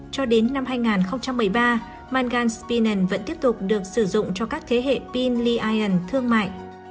cho đến năm hai nghìn một mươi ba manganese spinan vẫn tiếp tục được sử dụng cho các thế hệ pin li ion thương mại